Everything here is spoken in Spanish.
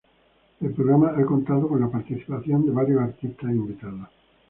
El programa ha contado con la participación de varios artistas invitados.